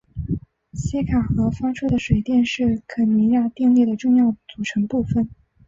锡卡河发出的水电是肯尼亚电力的重要组成部分。